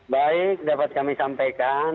baik dapat kami sampaikan